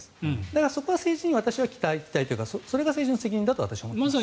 だから、そこは政治に期待というかそれが政治の責任だと思います。